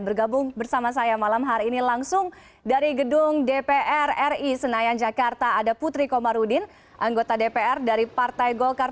bergabung bersama saya malam hari ini langsung dari gedung dpr ri senayan jakarta ada putri komarudin anggota dpr dari partai golkar